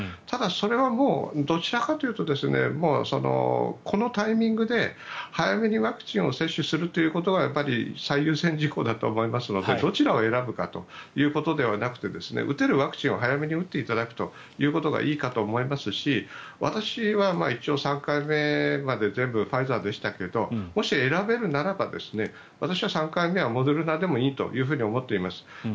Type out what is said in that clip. ただ、それはもうどちらかというとこのタイミングで早めにワクチンを接種するということが最優先事項だと思いますのでどちらを選ぶかということではなくて打てるワクチンを早めに打っていただくということがいいかと思いますし私は一応３回目まで全部ファイザーでしたけどもし選べるならば私は３回目はモデルナでもいいと思っています。